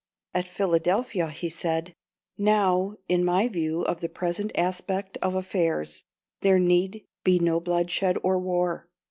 At Philadelphia he said "Now, in my view of the present aspect of affairs, there need be no bloodshed or war.